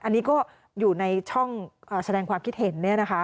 อันนี้ก็อยู่ในช่องแสดงความคิดเห็น